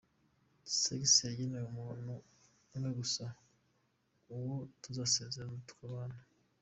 Sex yagenewe umuntu umwe gusa:Uwo tuzasezerana tukabana.